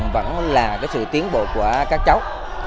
vẫn là cái sự tiến bộ của các cháu